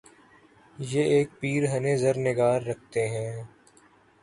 یہ ایک پیر ہنِ زر نگار رکھتے ہیں